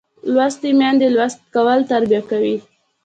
لوستې میندې لوستی کول تربیه کوي